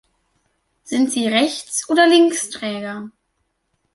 Sind Sie Rechts- oder Linksträger?